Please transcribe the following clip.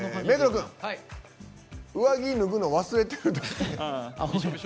君、上着脱ぐの忘れてるって。